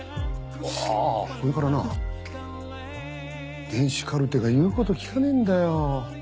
あぁそれからな電子カルテが言うこと聞かねえんだよ。